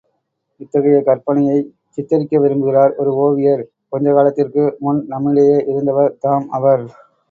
இத்தகைய கற்பனையைச் சித்தரிக்க விரும்புகிறார் ஒரு ஓவியர், கொஞ்சகாலத்திற்கு முன் நம்மிடையே இருந்தவர் தாம் அவர்.